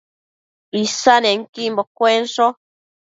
Isannequimbo cuensho